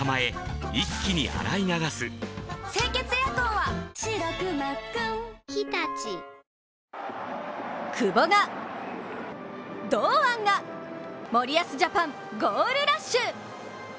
はじまる久保が、堂安が、森保ジャパン、ゴールラッシュ！